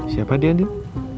siapa dia andin